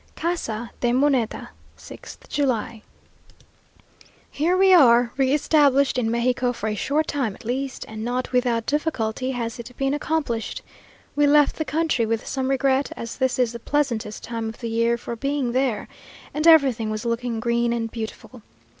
CASA DE MONEDA, 6th July. Here we are, re established in Mexico, for a short time at least, and not without difficulty has it been accomplished. We left the country with some regret, as this is the pleasantest time of the year for being there, and everything was looking green and beautiful.